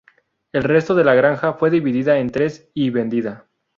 El resto de la granja fue dividida en tres y vendida.